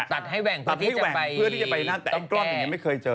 ตัดให้แหว่งเพื่อที่จะไปตั้งกรอบอย่างนี้ไม่เคยเจอ